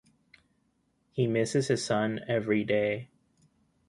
He misses his son everyday.